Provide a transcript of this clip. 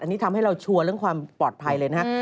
อันนี้ทำให้เราชัวร์เรื่องความปลอดภัยเลยนะฮะ